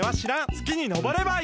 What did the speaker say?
すきにのぼればいい。